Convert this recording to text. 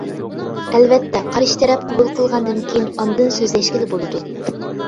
ئەلۋەتتە، قارشى تەرەپ قوبۇل قىلغاندىن كېيىن ئاندىن سۆزلەشكىلى بولىدۇ.